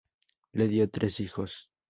Le dio tres hijos.